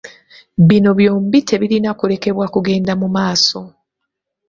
Bino byombi tebirina kulekebwa kugenda mu maaso.